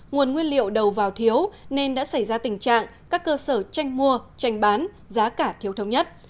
nguồn nguyên liệu đầu vào thiếu nên đã xảy ra tình trạng các cơ sở tranh mua tranh bán giá cả thiếu thống nhất